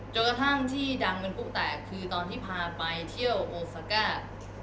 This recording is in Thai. จนกระทั่งที่ดังเป็นผู้แตกคือตอนที่พาไปเที่ยวโอฟาก้า